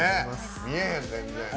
見えへん、全然。